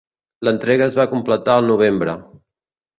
L'entrega es va completar al novembre.